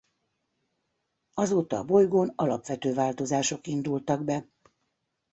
Azóta a bolygón alapvető változások indultak be.